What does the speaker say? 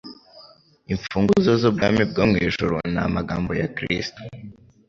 Imfunguzo z'ubwami bwo mu ijuru " ni amagambo ya Kristo.